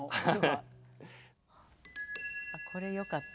これよかった。